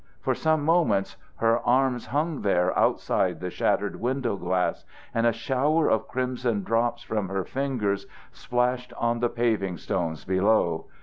For some moments her arms hung there outside the shattered window glass, and a shower of crimson drops from her fingers splashed on the paving stones below.